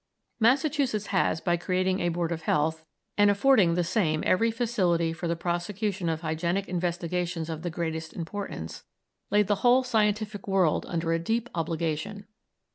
Massachusetts has, by creating a Board of Health, and affording the same every facility for the prosecution of hygienic investigations of the greatest importance, laid the whole scientific world under a deep obligation.